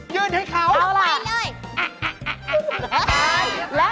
ยืนให้เขา